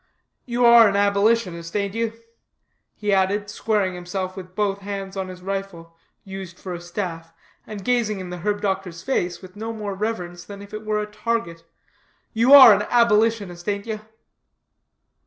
You are an abolitionist, ain't you?" he added, squaring himself with both hands on his rifle, used for a staff, and gazing in the herb doctor's face with no more reverence than if it were a target. "You are an abolitionist, ain't you?"